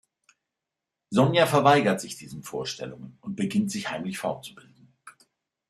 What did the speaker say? Sonja verweigert sich diesen Vorstellungen und beginnt sich heimlich fortzubilden.